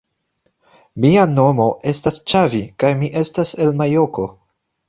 Mia nomo estas Ĉavi kaj mi estas el majoko